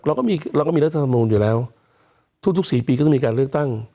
เราก็มีรัฐประหารอยู่แล้วทุก๔ปีก็จะมีการเลือกตั้ง